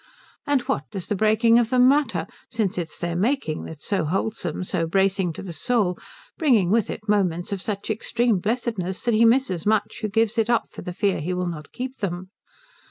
And what does the breaking of them matter, since it is their making that is so wholesome, so bracing to the soul, bringing with it moments of such extreme blessedness that he misses much who gives it up for fear he will not keep them?